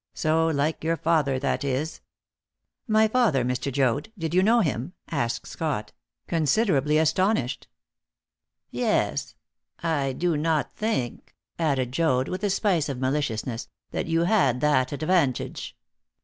So like your father, that is." "My father, Mr. Joad? Did you know him?" asked Scott, considerably astonished. "Yes; I do not think," added Joad, with a spice of maliciousness, "that you had that advantage."